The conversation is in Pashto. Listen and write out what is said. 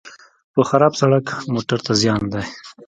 په خراب سړک موټر ته زیان دی.